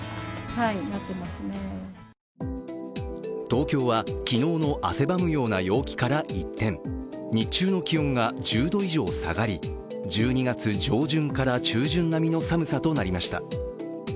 東京は昨日の汗ばむような陽気から一転日中の気温が１０度以上下がり１２月上旬から中旬並みの寒さとなりました。